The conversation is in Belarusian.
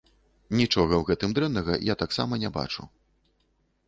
Нічога ў гэтым дрэннага я таксама не бачу.